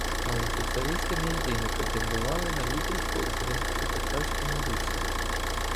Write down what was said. Але соціалісти не єдині претендували на лідерство у кримськотатарському русі.